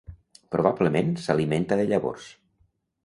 Probablement s'alimenta de llavors.